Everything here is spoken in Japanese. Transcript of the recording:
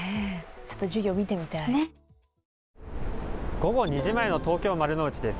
午後２時前の東京・丸の内です。